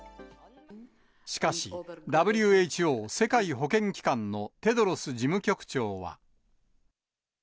しかし、ＷＨＯ・世界保健機関のテドロス事務局長は。